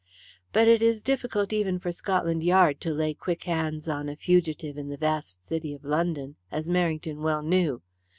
But it is difficult even for Scotland Yard to lay quick hands on a fugitive in the vast city of London, as Merrington well knew.